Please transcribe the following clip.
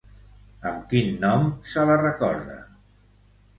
Amb quin nom se la recorda?